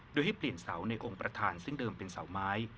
โดยให้เปลี่ยนเสาในองค์ประธานซึ่งเดิมเป็นเสาไม้